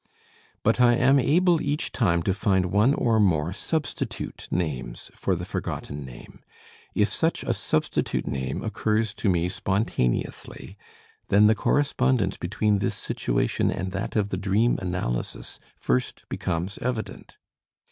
But I am able each time to find one or more substitute names for the forgotten name. If such a substitute name occurs to me spontaneously then the correspondence between this situation and that of the dream analysis first becomes evident.